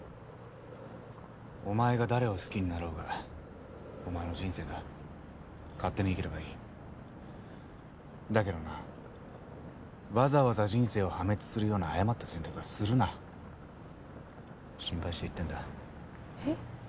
お前が誰を好きになろうがお前の人生だ勝手に生きればいいだけどなわざわざ人生を破滅するような誤った選択はするな心配して言ってんだえっ？